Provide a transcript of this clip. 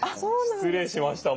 失礼しました。